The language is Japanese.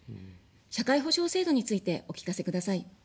社会保障制度についてお聞かせください。